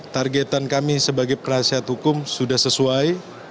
targetan kami sebagai penasihat hukum sudah sesuai